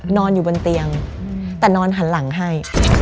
นอนอยู่บนเตียงแต่นอนหันหลังให้